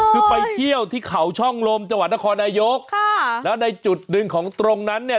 คือไปเที่ยวที่เขาช่องลมจังหวัดนครนายกค่ะแล้วในจุดหนึ่งของตรงนั้นเนี่ย